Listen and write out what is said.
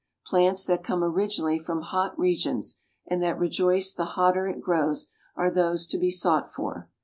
Plants that come originally from hot regions, and that rejoice the hotter it grows, are those to be sought for.